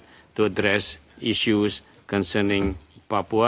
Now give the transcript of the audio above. untuk menjawab isu tentang papua